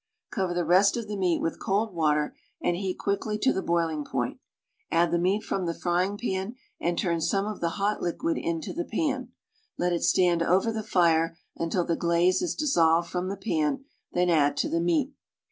Cover the rest of the meat with cold water and heat quickly to the boiling point; add the meat from the frying pan and turn some of the hot liquid into the pan; let it stand over the fire until the glaze is dissolved from the pan, then add to the meat.